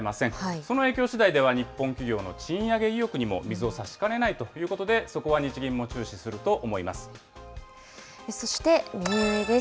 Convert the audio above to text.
その影響しだいでは、日本企業の賃上げ意欲にも水をさしかねないということで、そこは日銀も注視そして右上です。